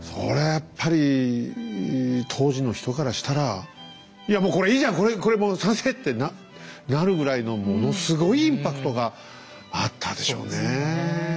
やっぱり当時の人からしたら「いやもうこれいいじゃんこれもう賛成！」ってなるぐらいのものすごいインパクトがあったでしょうね。